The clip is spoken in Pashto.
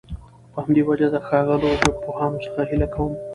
په همدي وجه د ښاغلو ژبپوهانو څخه هيله کوم